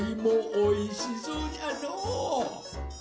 おいしそうじゃのう！